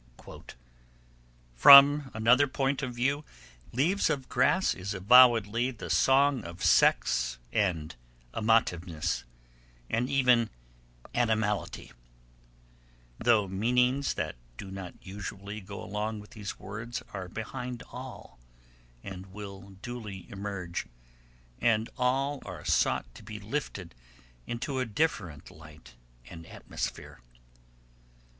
From another point of view Leaves of Grass is avowedly the song of Sex and Amativeness, and even Animality though meanings that do not usually go along with these words are behind all, and will duly emerge; and all are sought to be lifted into a different light and atmosphere.